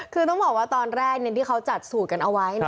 คือต้องบอกว่าตอนแรกที่เขาจัดสูตรกันเอาไว้